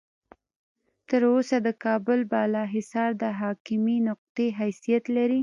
تر اوسه د کابل بالا حصار د حاکمې نقطې حیثیت لري.